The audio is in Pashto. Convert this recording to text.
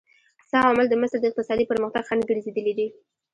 څه عوامل د مصر د اقتصادي پرمختګ خنډ ګرځېدلي دي؟